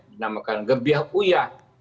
dinamakan gebiah puyah